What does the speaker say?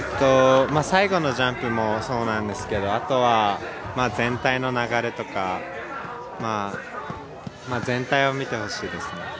最後のジャンプもそうなんですがあとは全体の流れとか全体を見てほしいですね。